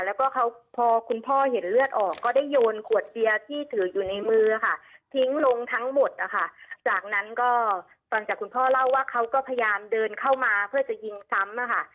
แล้วก็เขาพอคุณพ่อเห็นเลือดออกก็ได้โยนขวดเบียร์ที่ถืออยู่ในมือค่ะทิ้งลงทั้งหมดนะคะจากนั้นก็ตอนจากคุณพ่อเล่าว่าเขาก็พยายามเดินเข้ามาเพื่อจะยิงซ้ำอะค่ะ